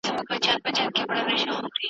ما د رسول الله څخه دا خبره اورېدلې ده.